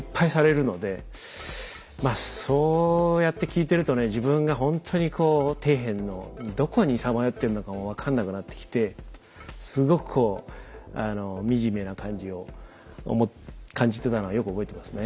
まあそうやって聞いてるとね自分がほんとにこう底辺のどこにさまよってるのかも分かんなくなってきてすごくこう惨めな感じを感じてたのはよく覚えてますね。